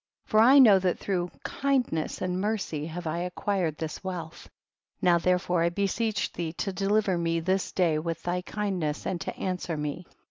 23. For I know that through kind ness and mercy have I acquired this wealth; now therefore I beseech thee to deliver me this day with thy kindness and to answer me.